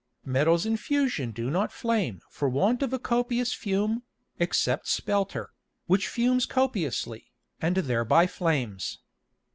Metals in fusion do not flame for want of a copious Fume, except Spelter, which fumes copiously, and thereby flames.